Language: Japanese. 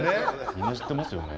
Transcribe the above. みんな知ってますよね。